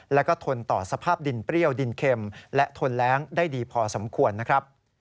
และก็ทนต่อสภาพดินเปรี้ยวดินเข็มและทนแรงได้ดีพอสมควรนะครับ